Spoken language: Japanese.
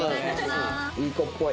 いい子っぽい。